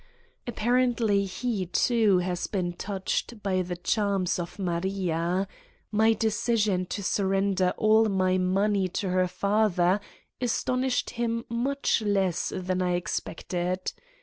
Apparently he, too, has been touched by the charms of Maria : my decision to surrender all my money to her father astonished him much less than I expected.